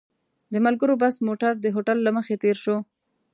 د ملګرو بس موټر د هوټل له مخې تېر شو.